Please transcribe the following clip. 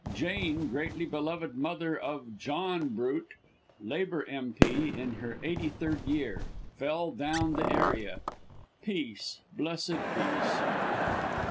Jane, greatly beloved mother of John Broot, Labour M.P., in her 83rd year. Fell down the area. Peace, blessed Peace.